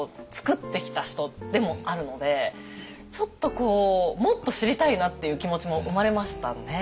ちょっとこうもっと知りたいなっていう気持ちも生まれましたね。